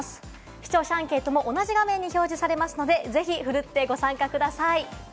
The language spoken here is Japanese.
視聴者アンケートも同じ画面に表示されますので、ぜひ奮ってご参加ください。